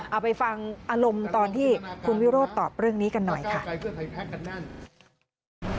เอาไปฟังอารมณ์ตอนที่คุณวิโรธตอบเรื่องนี้กันหน่อยค่ะ